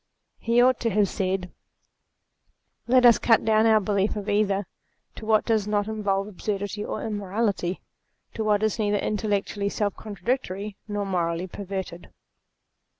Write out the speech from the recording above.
He ought to have said, let REVELATION 215 us cut down our belief of either to what does not in volve absurdity or immorality; to what is neither intellectually self contradictory nor morally perverted.